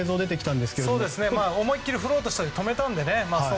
思いっきり振ろうとした時に止めたのでね。